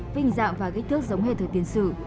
vinh dạng và kích thước giống hệt thừa tiến sử